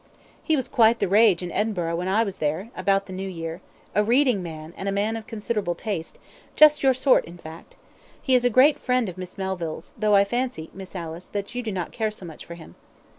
"He was quite the rage in Edinburgh when I was there, about the new year a reading man, and a man of considerable taste just your sort, in fact. He is a great friend of Miss Melville's, though I fancy, Miss Alice, that you do not care so much for him."